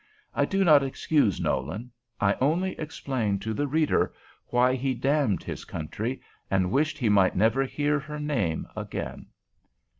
I do not excuse Nolan; I only explain to the reader why he damned his country, and wished he might never hear her name again.